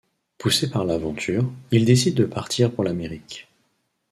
Poussé par l'aventure, il décide de partir pour l'Amérique.